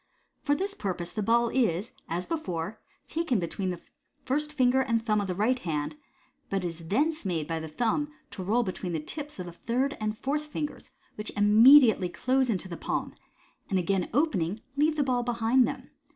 FlG I21, For this purpose the ball is, as before, taken between the first finger and thumb of the right hand, but is thence made by the thumb to Fig. i2o» 274 MODERN MAGIC. Fig. 122. roll between the tips of the third and fourth fingers, which imme diately close into the palm, and, again opening, leave the ball behind them.